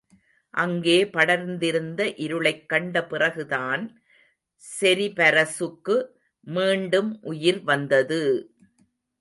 அங்கே படர்ந்திருந்த இருளைக் கண்ட பிறகுதான் செரிபரஸுக்கு மீண்டும் உயிர் வந்தது!